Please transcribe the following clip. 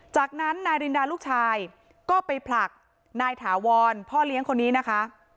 จากนั้นนายรินดาลูกชายก็ไปผลักนายถาวรพ่อเลี้ยงคนนี้นะคะ